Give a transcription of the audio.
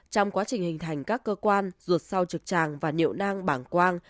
trong quá trình hình thành các cơ quan ruột sau trực tràng và nhiệu nang bảng quang